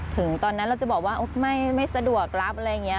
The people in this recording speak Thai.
ถึงตอนนั้นเราจะบอกว่าไม่สะดวกรับอะไรอย่างนี้